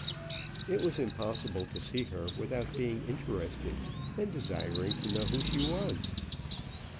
It was impossible to see her without being interested, and desiring to know who she was.